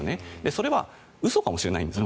それは嘘かもしれないんです